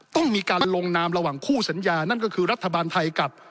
ต้องมีการลงนามระหว่างคู่สัญญานั่นก็คือรัฐบาลไทยกับ